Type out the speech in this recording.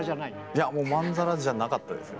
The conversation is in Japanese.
いやもうまんざらじゃなかったですよね。